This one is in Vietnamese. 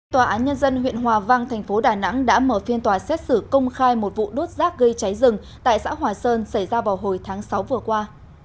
tòa án nhân dân huyện hòa vang thành phố đà nẵng đã mở phiên tòa xét xử công khai một vụ đốt rác gây cháy rừng tại xã hòa sơn xảy ra vào hồi tháng sáu vừa qua